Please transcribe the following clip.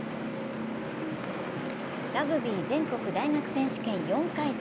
ラグビー全国大学選手権４回戦。